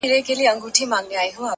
پوه انسان د غرور بار نه وړي،